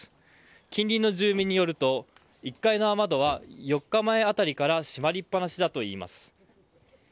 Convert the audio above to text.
近隣の住民によると１階の雨戸は４日前辺りから閉まりっぱなしだといいます。